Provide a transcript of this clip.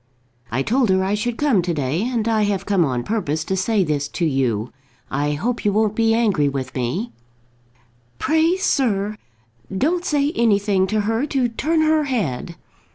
I told her I should come to day, and I have come on purpose to say this to you. I hope you won't be angry with me." "Pray, sir, don't say anything to her to turn her head."